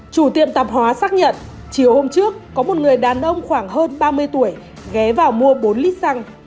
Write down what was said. chủ tiệm tạp hóa xác nhận chiều hôm trước có một người đàn ông khoảng hơn ba mươi tuổi ghé vào mua bốn lít xăng